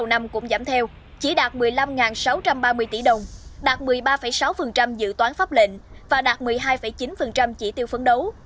cục hải quan tp hcm cũng giảm theo chỉ đạt một mươi năm sáu trăm ba mươi tỷ đồng đạt một mươi ba sáu dự toán pháp lệnh và đạt một mươi hai chín chỉ tiêu phấn đấu